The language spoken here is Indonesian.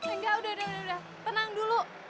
enggak udah udah tenang dulu